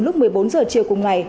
lúc một mươi bốn h chiều cùng ngày